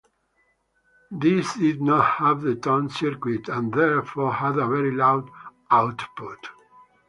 These did not have the tone circuit and therefore had a very loud output.